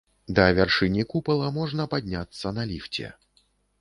Да вяршыні купала можна падняцца на ліфце.